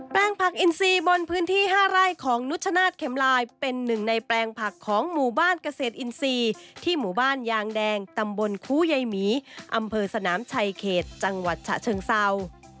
ผักอินซีบนพื้นที่๕ไร่ของนุชนาธิเข็มลายเป็นหนึ่งในแปลงผักของหมู่บ้านเกษตรอินทรีย์ที่หมู่บ้านยางแดงตำบลคูยายหมีอำเภอสนามชัยเขตจังหวัดฉะเชิงเศร้า